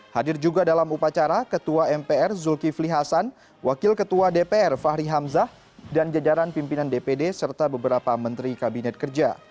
hadir juga dalam upacara ketua mpr zulkifli hasan wakil ketua dpr fahri hamzah dan jajaran pimpinan dpd serta beberapa menteri kabinet kerja